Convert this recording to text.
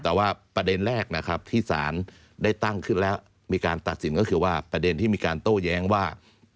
แต่ว่าประเด็นแรกนะครับที่สารได้ตั้งขึ้นแล้วมีการตัดสินก็คือว่าประเด็นที่มีการโต้แย้งว่า